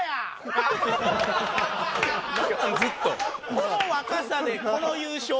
「この若さでこの優勝。